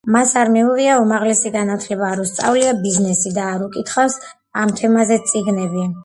მას არ მიუღია უმაღლესი განათლება, არ უსწავლია ბიზნესი და არ უკითხავს ამ თემაზე წიგნები.